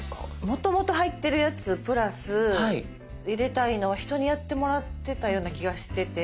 もともと入ってるやつプラス入れたいのは人にやってもらってたような気がしてて。